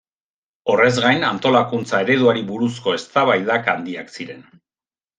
Horrez gain, antolakuntza ereduari buruzko eztabaidak handiak ziren.